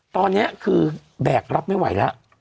ตอนนี้คือแบกรับไม่ไหวแล้ว